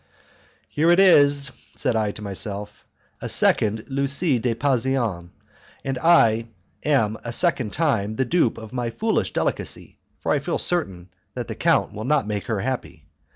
"Here is," said I to myself, "a second Lucie de Pasean, and I am a second time the dupe of my foolish delicacy, for I feel certain that the count will not make her happy.